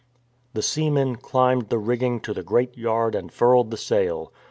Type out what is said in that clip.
The seamen climbed the rigging to the great yard and furled the sail.